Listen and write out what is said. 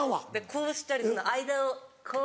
こうしたりその間をこう。